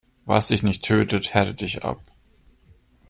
Was dich nicht tötet, härtet dich ab.